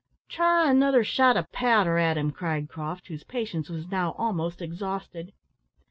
"Try another shot of powder at him," cried Croft, whose patience was now almost exhausted.